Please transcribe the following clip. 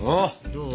どう？